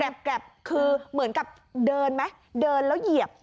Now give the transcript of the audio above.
แกบคือเหมือนกับเดินไหมเดินแล้วเหยียบ